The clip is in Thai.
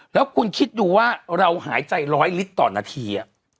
แล้วคุณคิดดูว่าเราหายใจ๑๐๐ลิตรต่อนาที